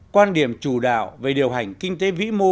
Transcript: quan điểm chủ đạo về điều hành kinh tế vĩ mô